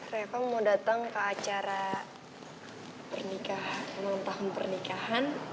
rafa mau dateng ke acara pernikahan enam tahun pernikahan